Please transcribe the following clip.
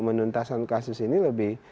menuntasan kasus ini lebih